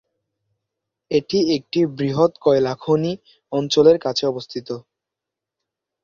এটি একটি বৃহৎ কয়লাখনি অঞ্চলের কাছে অবস্থিত।